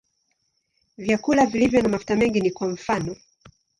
Vyakula vilivyo na mafuta mengi ni kwa mfano.